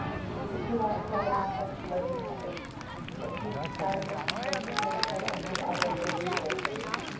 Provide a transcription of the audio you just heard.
The two outside discussed local topics McKeith's failure to trace the perpetrators of the outrage on his horses.